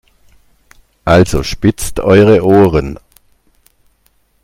Also spitzt eure Ohren!